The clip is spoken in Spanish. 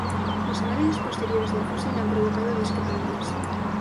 Los análisis posteriores del fósil han provocado discrepancias.